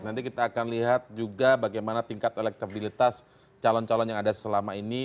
nanti kita akan lihat juga bagaimana tingkat elektabilitas calon calon yang ada selama ini